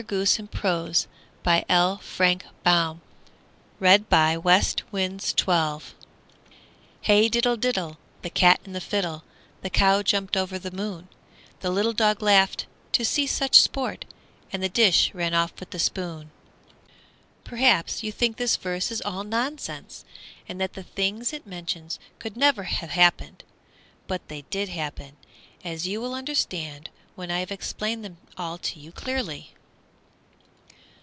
[Illustration: The Cat and the Fiddle] The Cat and the Fiddle Hey, diddle, diddle, The cat and the fiddle, The cow jumped over the moon! The little dog laughed To see such sport, And the dish ran off with the spoon! PERHAPS you think this verse is all nonsense, and that the things it mentions could never have happened; but they did happen, as you will understand when I have explained them all to you clearly.